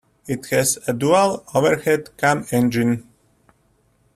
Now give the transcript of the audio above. It has a dual overhead cam engine.